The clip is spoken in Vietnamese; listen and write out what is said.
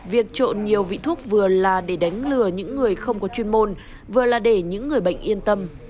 việc trộm nhiều vị thuốc vừa là để đánh lừa những người không có chuyên môn vừa là để những người bệnh yên tâm